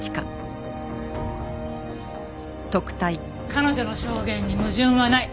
彼女の証言に矛盾はない。